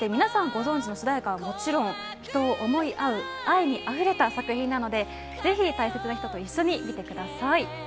そして皆さんご存知の主題歌はもちろん、人を想い合う愛に溢れた作品なのでぜひ大切な人と一緒に見てください。